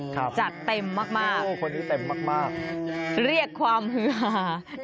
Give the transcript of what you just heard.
ครับจัดเต็มมากคนที่เต็มมากเรียกความฮือหา